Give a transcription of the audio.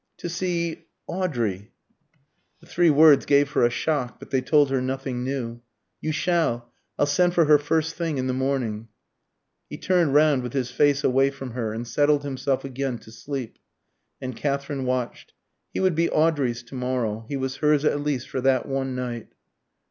"To see Audrey." The three words gave her a shock, but they told her nothing new. "You shall. I'll send for her first thing in the morning." He turned round with his face away from her, and settled himself again to sleep. And Katherine watched. He would be Audrey's to morrow. He was hers at least for that one night.